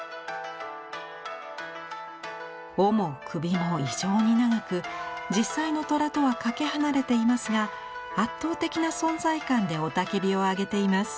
尾も首も異常に長く実際の虎とはかけ離れていますが圧倒的な存在感で雄たけびを上げています。